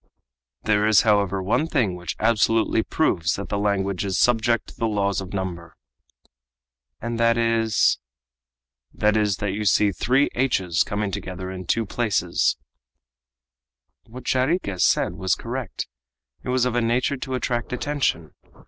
"There is, however, one thing which absolutely proves that the language is subject to the laws of number." "And that is?" "That is that you see three h's coming together in two different places." What Jarriquez said was correct, and it was of a nature to attract attention.